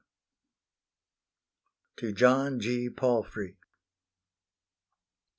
TO JOHN G. PALFREY.